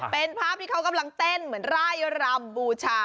เป็นภาพที่เขากำลังเต้นเหมือนไร่รำบูชา